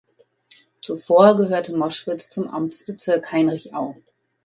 Zuvor gehörte Moschwitz zum Amtsbezirk Heinrichau.